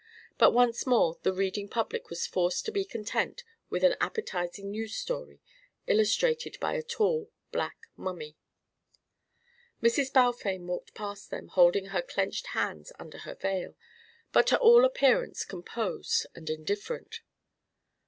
But once more the reading public was forced to be content with an appetising news story illustrated by a tall black mummy. Mrs. Balfame walked past them holding her clenched hands under her veil, but to all appearance composed and indifferent.